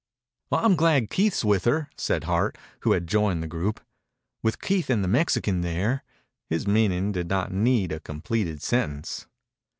"I'm glad Keith's with her," said Hart, who had joined the group. "With Keith and the Mexican there " His meaning did not need a completed sentence.